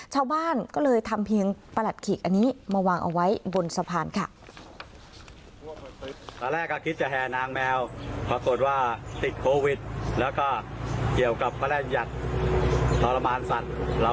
ชาวบ้านก็เลยทำเพียงประหลัดขีกอันนี้มาวางเอาไว้บนสะพานค่ะ